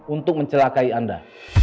untuk mencelakai anda